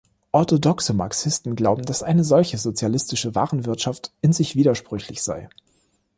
Orthodoxe Marxisten glauben, dass eine solche sozialistische Warenwirtschaft in sich widersprüchlich sei.